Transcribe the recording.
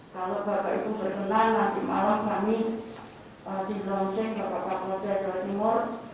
kalau bapak ibu berkenan nanti malam kami di blomsek bapak bapak pemuda jawa timur